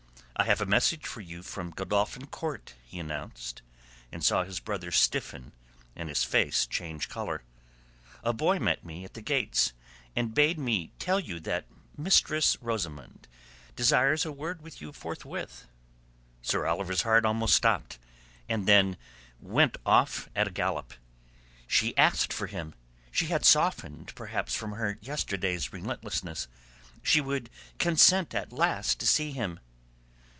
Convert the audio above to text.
"I have a message for you from Godolphin Court," he announced, and saw his brother stiffen and his face change colour. "A boy met me at the gates and bade me tell you that Mistress Rosamund desires a word with you forthwith." Sir Oliver's heart almost stopped, then went off at a gallop. She asked for him! She had softened perhaps from her yesterday's relentlessness. She would consent at last to see him!